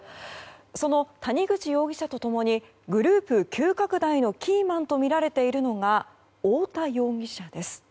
その谷口容疑者と共にグループ急拡大のキーマンとみられているのが太田容疑者です。